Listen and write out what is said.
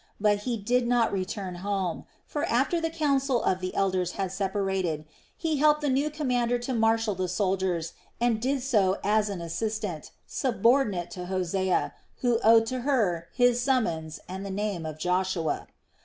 But he did not return home; for after the council of the elders had separated, he helped the new commander to marshal the soldiers and did so as an assistant, subordinate to Hosea, who owed to her his summons and the name of Joshua.